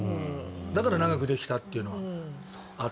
だから長くできたというのはあったと。